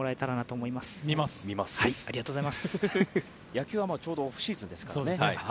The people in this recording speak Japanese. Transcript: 野球はちょうどオフシーズンですからね。